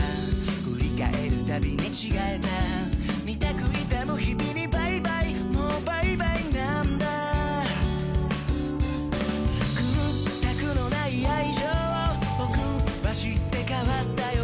振り返るたび寝違えたみたく痛む日々にバイバイもうバイバイなんだ屈託の無い愛情を僕は知って変わったよ